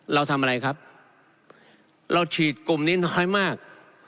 เราทำอะไรครับเราฉีดกลุ่มนี้น้อยมาก